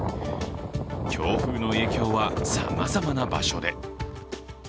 強風の影響はさまざまな場所で。